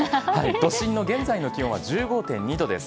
都心の現在の気温は１５．２度です。